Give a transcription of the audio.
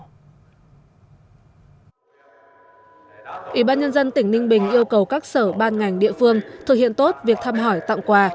ủy ban nhân dân tỉnh ninh bình yêu cầu các sở ban ngành địa phương thực hiện tốt việc thăm hỏi tặng quà